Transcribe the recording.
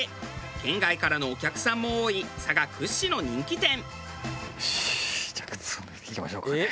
県外からのお客さんも多い佐賀屈指の人気店。